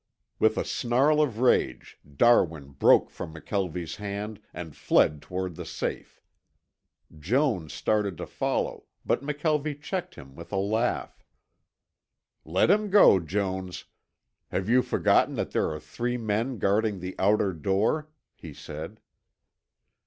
With a snarl of rage Darwin broke from McKelvie's hand and fled toward the safe. Jones started to follow, but McKelvie checked him with a laugh. "Let him go, Jones. Have you forgotten that there are three men guarding the outer door?" he said.